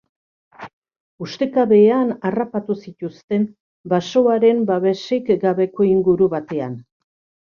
Ustekabean harrapatu zituzten basoaren babesik gabeko inguru batean.